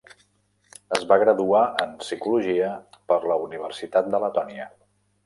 Es va graduar en psicologia per la Universitat de Letònia.